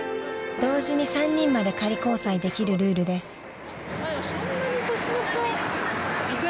［同時に３人まで仮交際できるルールです］